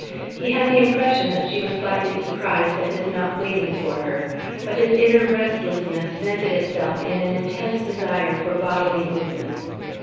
He had the impression that she was slightly surprised at his not waiting for her; but his inner restlessness vented itself in an intense desire for bodily movement.